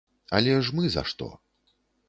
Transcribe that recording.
Але ж мы за што?